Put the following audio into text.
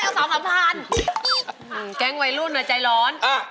สาวดังความใจร้อน